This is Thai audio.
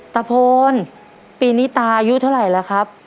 ตะโพนปีนี้ตาอายุเท่าไหร่แล้วครับ